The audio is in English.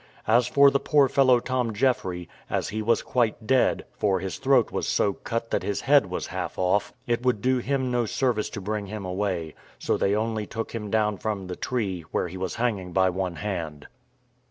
As for the poor fellow Tom Jeffry, as he was quite dead (for his throat was so cut that his head was half off), it would do him no service to bring him away; so they only took him down from the tree, where he was hanging by one hand.